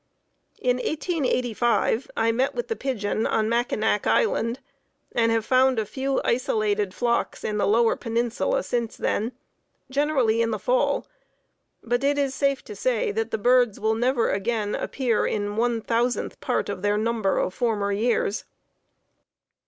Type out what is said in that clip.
In 1885 I met with the pigeon on Mackinac Island, and have found a few isolated flocks in the Lower Peninsula since then, generally in the fall, but it is safe to say that the birds will never again appear in one thousandth part of the number of former years.